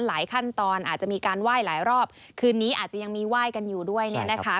ขั้นตอนอาจจะมีการไหว้หลายรอบคืนนี้อาจจะยังมีไหว้กันอยู่ด้วยเนี่ยนะคะ